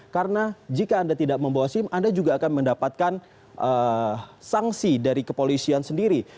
karena jika anda tidak membawa sim anda juga akan mendapatkan sanksi dari kepolisian sendiri